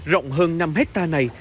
rộng hơn năm hectare này